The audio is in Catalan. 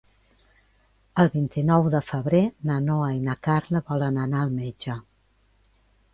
El vint-i-nou de febrer na Noa i na Carla volen anar al metge.